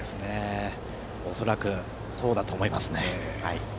恐らくそうだと思いますね。